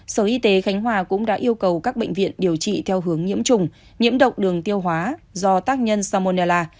sở y tế khánh hòa cũng đã yêu cầu các bệnh viện điều trị theo hướng nhiễm trùng nhiễm độc đường tiêu hóa do tác nhân samonella